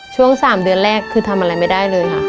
ช่วง๓เดือนแรกคือทำอะไรไม่ได้เลยค่ะ